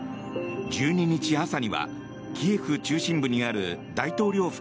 １２日朝にはキエフ中心部にある大統領